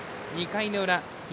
２回の裏東